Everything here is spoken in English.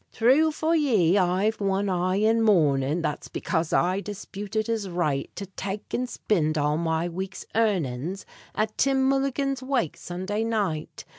Thrue for ye, I've one eye in mournin', That's becaze I disputed his right, To tak' and spind all my week's earnin's At Tim Mulligan's wake, Sunday night.